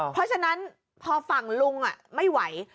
เพราะฉะนั้นพอฝั่งลุงไม่ไหว